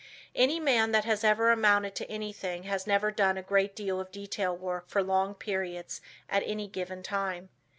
Any man that has ever amounted to anything has never done a great deal of detail work for long periods at any given time.